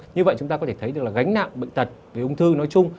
như vậy chúng ta có thể thấy được là gánh nặng bệnh tật về ung thư nói chung